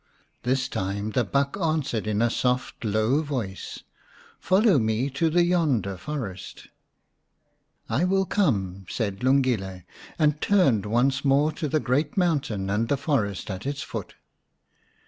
This time the buck answered in a soft, low voice, " Follow me to the forest yonder." " I will come," said Lungile, and turned once more to the great mountain and the forest at its foot.